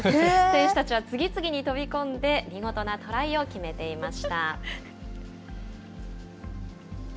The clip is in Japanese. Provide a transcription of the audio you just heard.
選手たちは次々に飛び込んで、見事なトライを決めていました。